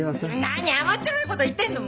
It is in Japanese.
何甘っちょろいこと言ってんの！